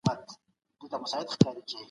د اسلام په احکامو کي د هر چا عزت دی.